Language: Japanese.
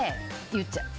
言っちゃう。